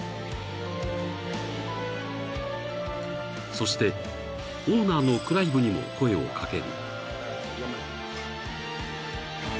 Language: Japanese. ［そしてオーナーのクライブにも声を掛ける］